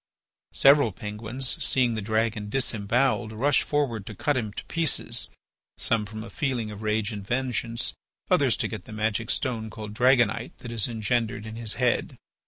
Several Penguins, seeing the dragon disembowelled, rushed forward to cut him to pieces, some from a feeling of rage and vengeance, others to get the magic stone called dragonite, that is engendered in his head.